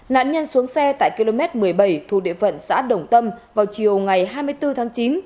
nạn nhân xuống xe tại km một mươi bảy thuộc địa phận xã đồng tâm vào chiều ngày hai mươi bốn tháng chín